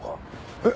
えっ！？